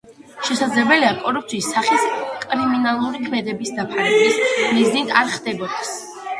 შესაძლებელია კორუფცია სხვა სახის კრიმინალური ქმედების დაფარვის მიზნით არ ხდებოდეს.